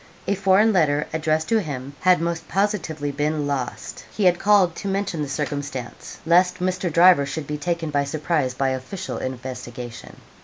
A foreign letter, addressed to him, had most positively been lost. He had called to mention the circumstance, lest Mr. Driver should be taken by surprise by official investigation.